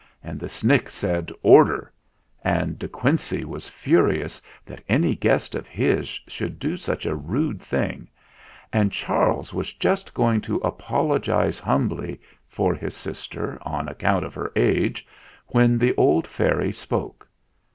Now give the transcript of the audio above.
and the Snick said "Order !" and De Quincey was furi ous that any guest of his should do such a rude thing, and Charles was just going to apologise humbly for his sister on account of her age when the old fairy spoke.